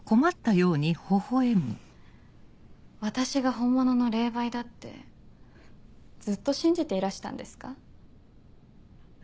私が本物の霊媒だってずっと信じていらしたんですか？